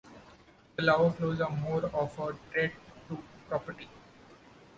The lava flows are more of a threat to property.